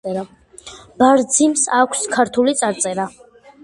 ბარძიმს აქვს ქართული წარწერა.